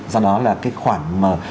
do đó là cái khoản